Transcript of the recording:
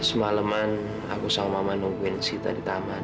semaleman aku sama mama nungguin sita di taman